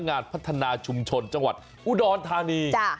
งานพัฒนาชุมชนจังหวัดอุดรธานี